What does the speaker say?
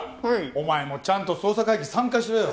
お前もちゃんと捜査会議参加しろよ。